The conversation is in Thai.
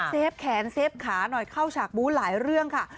ฟแขนเซฟขาหน่อยเข้าฉากบู้หลายเรื่องค่ะ